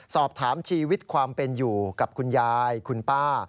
สอบถามชีวิตความเป็นอยู่กับคุณยายคุณป้า